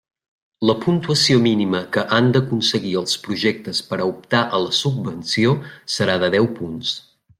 La puntuació mínima que han d'aconseguir els projectes per a optar a la subvenció serà de deu punts.